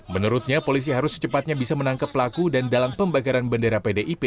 menurutnya polisi harus secepatnya bisa menangkap pelaku dan dalam pembakaran bendera pdip